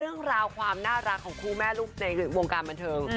เรื่องราวความน่ารักของคู่แม่ลูกในวงการบันเทิง